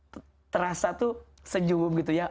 itu terasa tuh senyum gitu ya